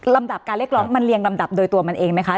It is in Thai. ดับการเรียกร้องมันเรียงลำดับโดยตัวมันเองไหมคะ